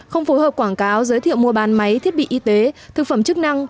không phối hợp quảng cáo giới thiệu mua bán máy thiết bị y tế thực phẩm chức năng